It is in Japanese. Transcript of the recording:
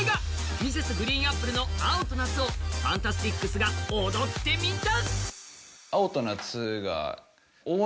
Ｍｒｓ．ＧＲＥＥＮＡＰＰＬＥの「青と夏」をＦＡＮＴＡＳＴＩＣＳが踊ってみた。